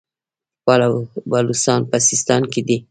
بلوڅان په سیستان کې دي.